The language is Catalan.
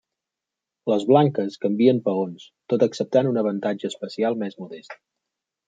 Les blanques canvien peons, tot acceptant un avantatge espacial més modest.